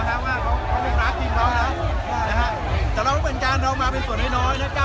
เจ้าหน้าที่ตำรวจเนี่ยได้ปล่อยให้แฟนบอลพามากเนี่ยเข้ามาที่สุรหัสแล้วนะครับ